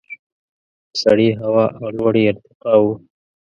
سړې هوا او لوړې ارتفاع وو.